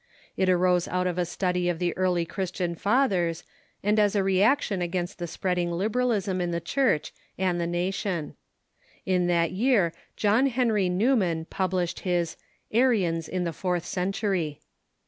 It arose out of a study of the earlv Chris TnG LGfluCrS v «/ tian fathers, and as a reaction against the spreading liberalism in the Church and the nation. In that year John Henry Newman published his " Arians in the Fourth Century."